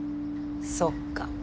そっか。